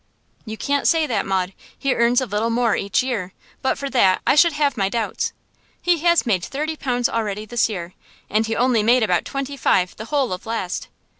'You can't say that, Maud. He earns a little more each year. But for that, I should have my doubts. He has made thirty pounds already this year, and he only made about twenty five the whole of last.